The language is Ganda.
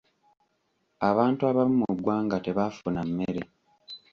Abantu abamu mu ggwanga tebaafuna mmere.